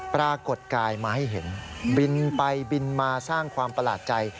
ปรากฏกายมาให้เห็นบินไปบินมาสร้างความประหลาดใจ